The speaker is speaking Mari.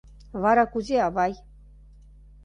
Вара кузе, авай?